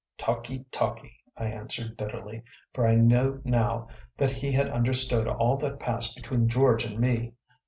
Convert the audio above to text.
‚ÄĚ “Talkee talkee,‚ÄĚ I answered bitterly, for I knew now that he had understood all that passed between George and me.